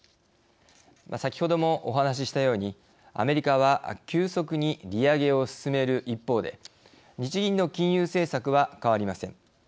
先ほどもお話ししたようにアメリカは急速に利上げを進める一方で日銀の金融政策は変わりません。